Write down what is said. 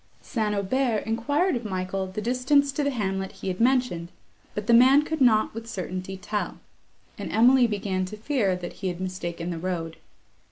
St. Aubert enquired of Michael the distance to the hamlet he had mentioned, but the man could not with certainty tell; and Emily began to fear that he had mistaken the road.